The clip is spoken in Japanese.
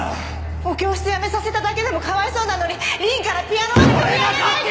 お教室やめさせただけでもかわいそうなのに凛からピアノまで取り上げないで！